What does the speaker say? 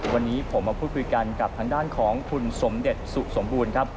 วันนี้ผมมาพูดคุยกันกับทางด้านของคุณสมเด็จสุสมบูรณ์ครับ